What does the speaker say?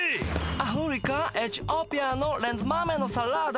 アフリカエチオピアのレンズ豆のサラダ